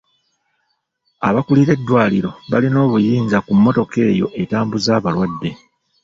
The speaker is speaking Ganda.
Abakuulira eddwaliro balina obuyinza ku mmotoka eyo etambuza abalwadde.